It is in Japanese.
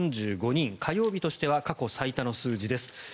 火曜日としては過去最多の数字です。